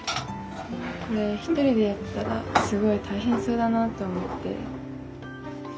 これ１人でやったらすごい大変そうだなと思って。